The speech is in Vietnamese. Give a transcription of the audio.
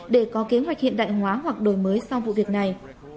để có kế hoạch hiện đại hóa hoặc đổi mới sau vụ việc này